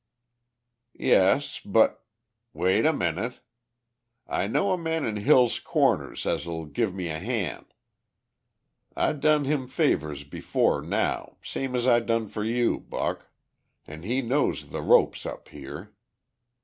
"Yes. But...." "Wait a minute! I know a man in Hill's Corners as'll give me a han'. I done him favours before now, same as I done for you, Buck. An' he knows the ropes up here.